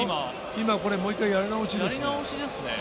もう一回やり直しですね。